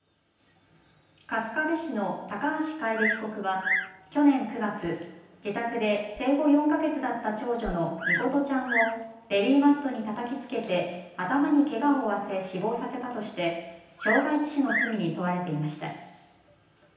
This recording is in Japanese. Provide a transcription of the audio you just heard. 春日部市の高橋楓被告は去年９月、自宅で生後４ヵ月だった長女の美琴ちゃんをベビーマットにたたきつけて頭にけがを負わせ死亡させたとして傷害致死の罪に問われていました。